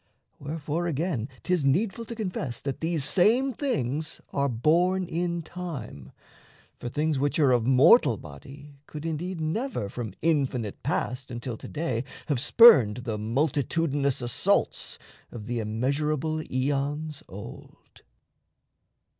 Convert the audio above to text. Wherefore, again, 'tis needful to confess That these same things are born in time; for things Which are of mortal body could indeed Never from infinite past until to day Have spurned the multitudinous assaults Of the immeasurable aeons old.